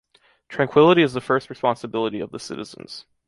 Tranquility is the first responsibility of the citizens.